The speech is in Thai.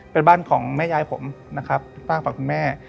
เป็นบ้านของแม่ยายผมจ้านฝากคุณแม่